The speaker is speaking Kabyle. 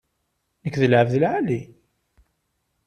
Nekk d lεebd n lεali.